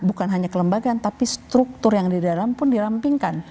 bukan hanya kelembagaan tapi struktur yang di dalam pun dirampingkan